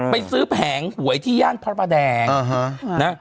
ไปซื้อแผงหวยที่ย่านพระประแดงนะ